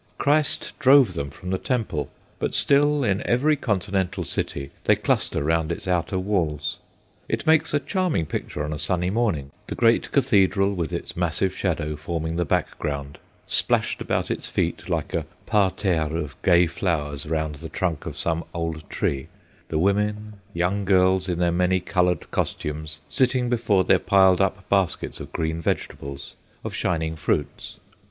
Christ drove them from the Temple, but still, in every continental city, they cluster round its outer walls. It makes a charming picture on a sunny morning, the great cathedral with its massive shadow forming the background; splashed about its feet, like a parterre of gay flowers around the trunk of some old tree, the women, young girls in their many coloured costumes, sitting before their piled up baskets of green vegetables, of shining fruits.